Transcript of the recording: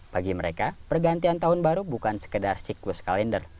bagi mereka pergantian tahun baru bukan sekedar siklus kalender